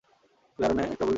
দুইটি আরএনএ একটি অপরটির কপি।